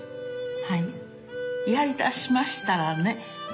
やりだしましたらね